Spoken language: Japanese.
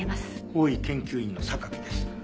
法医研究員の榊です。